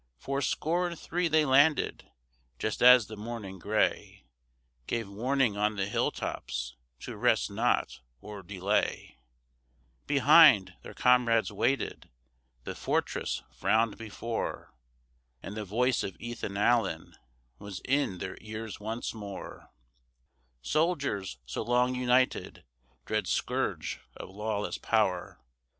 Fourscore and three they landed, just as the morning gray Gave warning on the hilltops to rest not or delay; Behind, their comrades waited, the fortress frowned before, And the voice of Ethan Allen was in their ears once more: "Soldiers, so long united dread scourge of lawless power!